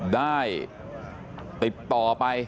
ได้ติดต่อไป